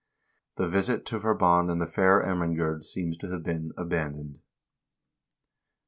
The visit to Ver bon and the fair Ermingerd seems to have been abandoned. 59.